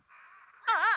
あっ！